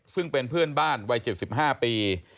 ซึ่งเป็นเพื่อนบ้านวัย๗๕ปี